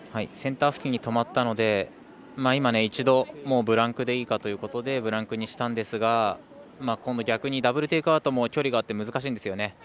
センター付近に止まったので、一度ブランクでいいかということでブランクにしたんですが今度は逆にダブル・テイクアウトも距離があって難しいんですよね。